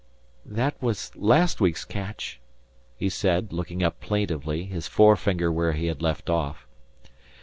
"That was last week's catch," he said, looking up plaintively, his forefinger where he had left off.